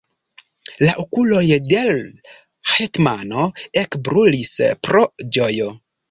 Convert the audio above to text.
La okuloj de l' hetmano ekbrulis pro ĝojo.